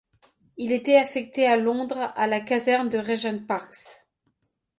Il était affecté à Londres à la caserne de Regents Park.